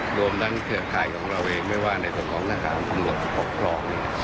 กลุ่มทั้งเกือบไทยของเราเองไม่ว่าในตัวของนาฬาคารมหลบปกครอง